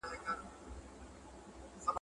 زه اوس شګه پاکوم!